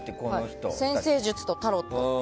占星術とタロット。